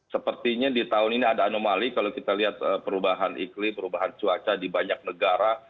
sepertinya di tahun ini ada anomali kalau kita lihat perubahan iklim perubahan cuaca di banyak negara